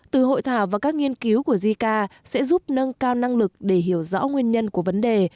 từ hội thảo và các nghiên cứu của jica sẽ giúp nâng cao năng lực để hiểu rõ nguyên nhân của vấn đề